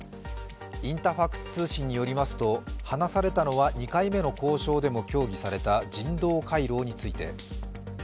インタファクス通信によりますと、話されたのは２回目の交渉でも協議された人道回廊について。